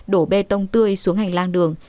đổ bê tông tươi xuống hành lang đường